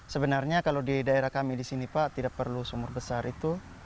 sebenarnya kalau di daerah kami di sini pak tidak perlu sumur besar itu